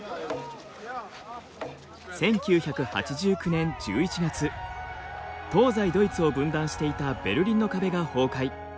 １９８９年１１月東西ドイツを分断していたベルリンの壁が崩壊。